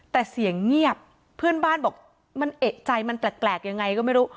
แต่เสียงเงียบเพื่อนบ้านบอกมันเอกใจมันแปลกยังไงก็ไม่รู้